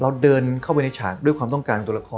เราเดินเข้าไปในฉากด้วยความต้องการของตัวราคล